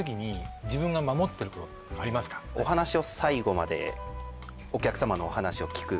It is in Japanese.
はいお話を最後までお客様のお話を聞く